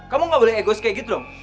kamu gak boleh egos kayak gitu loh